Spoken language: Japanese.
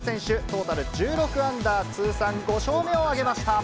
畑岡選手、トータル１６アンダー、通算５勝目を挙げました。